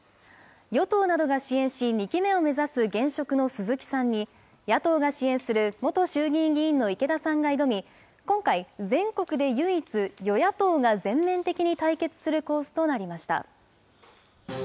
与党などが支援し、２期目を目指す現職の鈴木さんに、野党が支援する元衆議院議員の池田さんが挑み、今回、全国で唯一、与野党が全面的に対決する構図となりました。